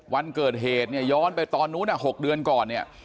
วันเกิดเหตุเนี่ยย้อนไปตอนนู้น๖เดือนก่อนเนี่ย